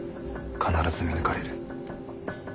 必ず見抜かれる。